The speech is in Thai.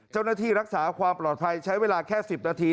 เจ้าหน้าที่รักษาความปลอดภัยใช้เวลาแค่๑๐นาที